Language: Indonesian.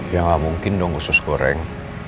ya nggak mungkin dong khusus goreng